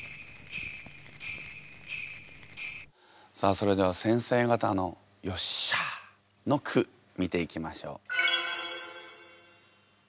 さあそれでは先生方の「よっしゃあ」の句見ていきましょう。